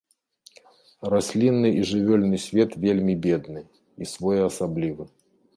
Раслінны і жывёльны свет вельмі бедны і своеасаблівы.